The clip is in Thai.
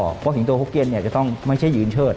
เพราะสิงโตฮุกเก็นจะต้องไม่ใช่ยืนเชิด